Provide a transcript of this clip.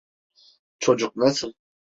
Çocuk nasıl?